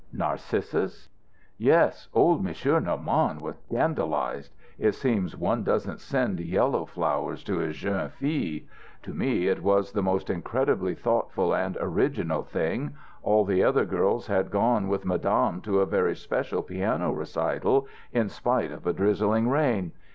"Narcissus?" "Yes. Old Monsieur Normand was scandalized; it seems one doesn't send yellow flowers to a jeune fille. To me it was the most incredibly thoughtful and original thing. All the other girls had gone with Madame to a very special piano recital, in spite of a drizzling rain.